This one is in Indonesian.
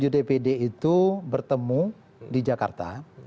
dua puluh tujuh dpd itu bertemu di jakarta